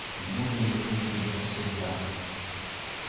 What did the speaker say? Буду любить тебя всегда